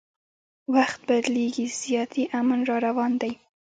وخت بدلیږي زیاتي امن را روان دی